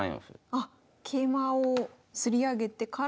あっ桂馬をつり上げてから。